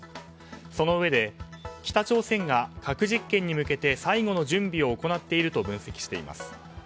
そのうえで、北朝鮮が核実験に向けて最後の準備を行っていると分析しています。